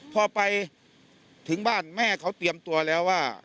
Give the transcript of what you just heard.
พอไปถึงบ้านแม่เขาเตรียมตัวแล้วว่า